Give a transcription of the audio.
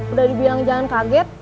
udah dibilang jangan kaget